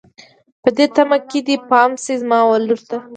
په دې تمه که دې پام شي زما ولور ته